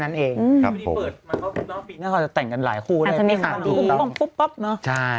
คุณแม่ของคุณแม่ของคุณแม่